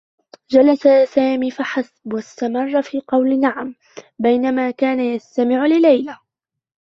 جلس سامي فحسب و استمرّ في قول "نعم" بينما كان يستمع لليلى.